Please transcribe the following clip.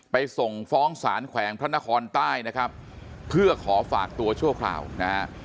ส่งฟ้องสารแขวงพระนครใต้นะครับเพื่อขอฝากตัวชั่วคราวนะฮะ